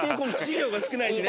授業が少ないしね。